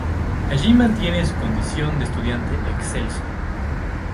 Allí mantiene su condición de estudiante excelso.